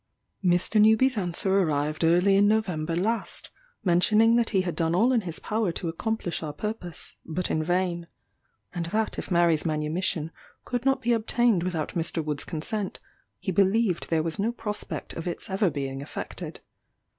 Mr. Newby's answer arrived early in November last, mentioning that he had done all in his power to accomplish our purpose, but in vain; and that if Mary's manumission could not be obtained without Mr. Wood's consent, he believed there was no prospect of its ever being effected.